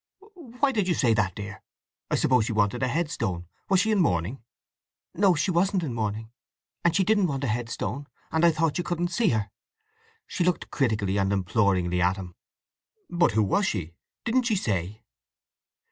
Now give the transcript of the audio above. "Why did you say that, dear? I suppose she wanted a headstone. Was she in mourning?" "No. She wasn't in mourning, and she didn't want a headstone; and I thought you couldn't see her." Sue looked critically and imploringly at him. "But who was she? Didn't she say?"